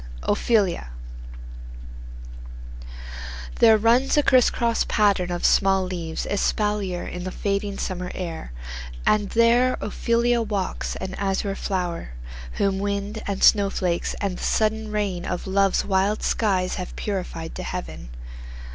OPHELIA There runs a crisscross pattern of small leaves Espalier, in a fading summer air, And there Ophelia walks, an azure flower, Whom wind, and snowflakes, and the sudden rain Of love's wild skies have purified to heaven.